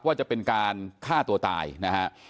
ว่าจะเป็นการฆ่าตัวตายนะฮะ